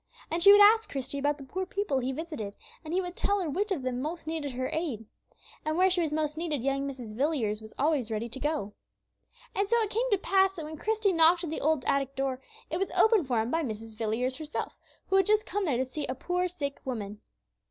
And she would ask Christie about the poor people he visited, and he would tell her which of them most needed her aid. And where she was most needed young Mrs. Villiers was always ready to go. And so it came to pass that when Christie knocked at the old attic door, it was opened for him by Mrs. Villiers herself, who had just come there to see a poor sick woman.